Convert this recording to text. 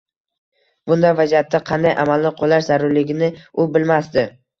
Bunday vaziyatda qanday amalni qo‘llash zarurligini u bilmasdi.